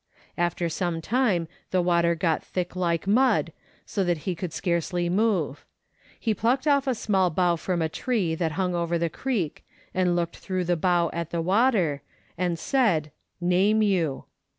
87 After some time the water got thick like mud, so that he could scarcely move ; he plucked off a small bough from a tree that hung over the creek, and looked through the bough at the water, and said, " name you."